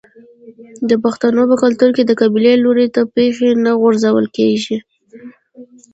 د پښتنو په کلتور کې د قبلې لوري ته پښې نه غځول کیږي.